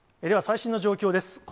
では、最新の状況です。